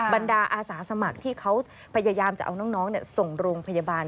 บรรดาอาสาสมัครที่เขาพยายามจะเอาน้องส่งโรงพยาบาล